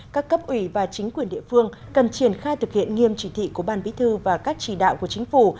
các cấp ủy và chính quyền địa phương cần triển khai thực hiện nghiêm chỉ thị của ban bí thư và các chỉ đạo của chính phủ